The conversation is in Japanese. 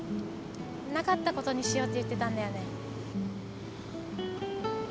なかったことにしようって言ってたんだよね。